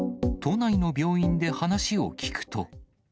都内の病院で話を聞くと。